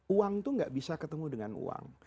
uang itu nggak bisa ketemu dengan uang